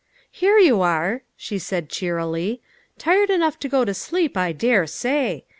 " Here you are," she said cheerily, " tired enough to go to sleep, I dare say.